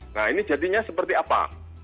nah ini jadinya seperti apa